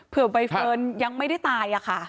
ใบเฟิร์นยังไม่ได้ตายอะค่ะ